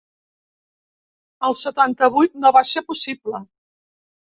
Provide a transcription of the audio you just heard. El setanta-vuit no va ser possible.